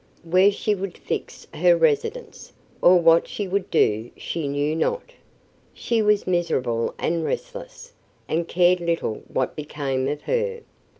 Where she would fix her residence, or what she would do, she knew not. She was miserable and restless, and cared little what became of her.